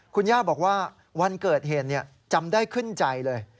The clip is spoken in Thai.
คุณย่าบอกว่าวันเกิดเหตุจำได้ขึ้นใจเลย